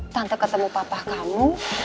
tante ketemu papa kamu